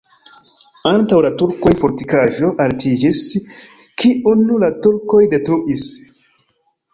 Antaŭ la turkoj fortikaĵo altiĝis, kiun la turkoj detruis.